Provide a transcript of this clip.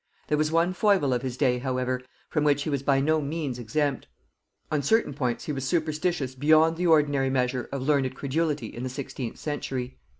There was one foible of his day, however, from which he was by no means exempt: on certain points he was superstitious beyond the ordinary measure of learned credulity in the sixteenth century.